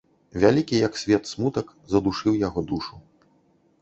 Вялікі, як свет, смутак здушыў яго душу.